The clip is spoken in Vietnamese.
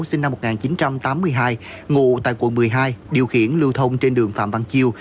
sinh năm một nghìn chín trăm tám mươi hai ngụ tại quận một mươi hai điều khiển lưu thông trên đường phạm văn chiêu